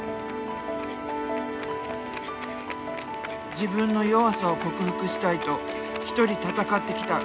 自分の弱さを克服したいと一人闘ってきた道下選手。